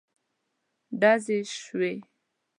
ډزې شوې.